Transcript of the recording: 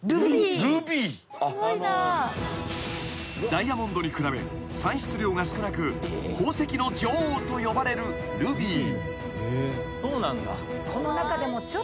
［ダイヤモンドに比べ産出量が少なく宝石の女王と呼ばれるルビー］